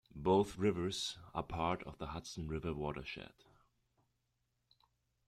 Both rivers are part of the Hudson River watershed.